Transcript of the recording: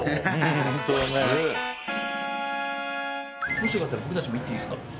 もしよかったら僕たちも行っていいですか？